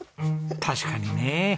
確かにねえ。